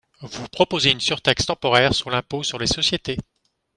Vous proposez une surtaxe temporaire sur l’impôt sur les sociétés.